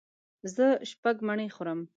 زه شپږ مڼې خورم.